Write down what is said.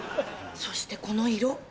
そしてこの色。